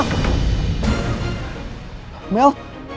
mel bangun mel